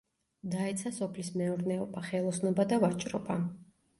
დაეცა სოფლის მეურნეობა, ხელოსნობა და ვაჭრობა.